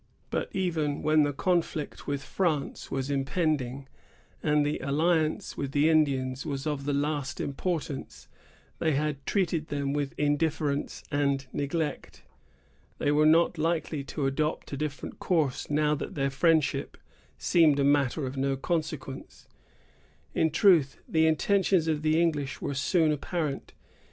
But even when the conflict with France was impending, and the alliance with the Indians was of the last importance, they had treated them with indifference and neglect. They were not likely to adopt a different course now that their friendship seemed a matter of no consequence. In truth, the intentions of the English were soon apparent.